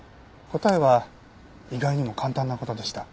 答えは意外にも簡単な事でした。